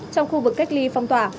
trong khu vực cách ly phong tỏa